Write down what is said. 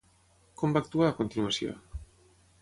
Com va actuar, a continuació?